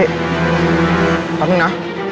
สักนิดนึงนะ